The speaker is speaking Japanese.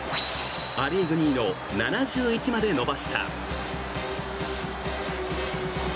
ア・リーグ２位の７１まで伸ばした。